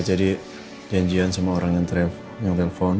ya jadi janjian sama orang yang telpon